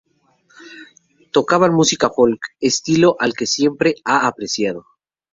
Tocaban música folk, estilo que Al siempre ha apreciado.